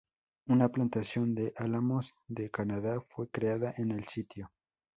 Una plantación de álamos de Canadá fue creada en el sitio.